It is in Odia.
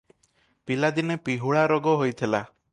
ପିଲାଦିନେ ପିହୁଳା ରୋଗ ହୋଇଥିଲା ।